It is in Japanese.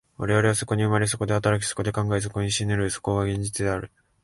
我々はそこに生まれ、そこで働き、そこで考え、そこに死ぬる、そこが現実である。